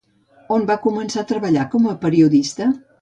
On va començar a treballar com a periodista?